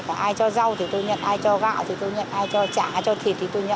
còn ai cho rau thì tôi nhận ai cho gạo thì tôi nhận ai cho chả ai cho thịt thì tôi nhận